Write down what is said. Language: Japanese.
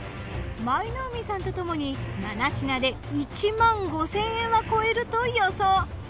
舞の海さんとともに７品で１万５，０００円は超えると予想。